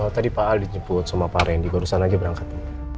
tadi pak al dijemput sama pak randy barusan aja berangkat